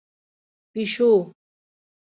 🐈 پېشو